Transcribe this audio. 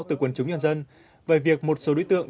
từ quần chúng nhân dân về việc một số đối tượng